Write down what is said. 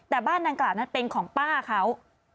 แต่บ้านดังกล่าวนั้นเป็นของป้าเขา